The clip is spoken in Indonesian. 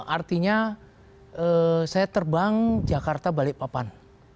artinya saya terbang jakarta balik papan